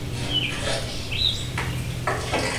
Era filial de Hola Airlines.